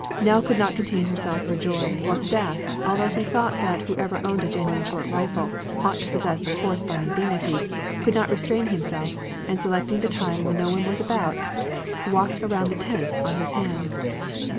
Nell could not contain herself for joy, while Stas, although he thought that whoever owned a genuine short rifle ought to possess a corresponding dignity, could not restrain himself, and selecting the time when no one was about, walked around the tent on his hands.